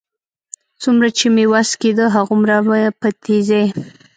څومره چې مې وس کېده، هغومره په تېزۍ.